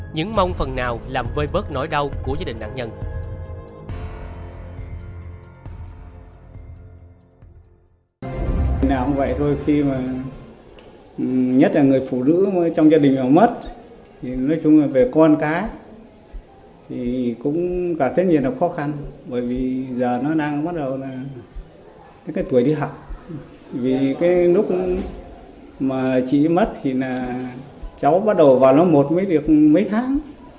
những mong phần nào làm vơi vớt nỗi đau của gia đình nạn nhân